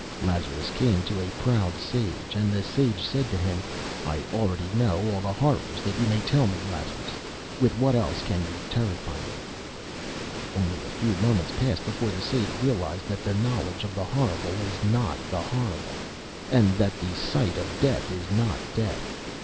Lazarus came to a proud sage, and the sage said to him: "I already know all the horrors that you may tell me, Lazarus. With what else can you terrify me?" Only a few moments passed before the sage realised that the knowledge of the horrible is not the horrible, and that the sight of death is not death.